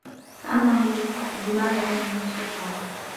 كَأَنَّهُ جِمالَتٌ صُفرٌ